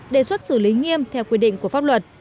đề xuất xử lý nghiêm theo quy định của pháp luật